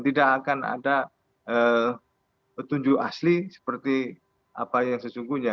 tidak akan ada petunjuk asli seperti apa yang sesungguhnya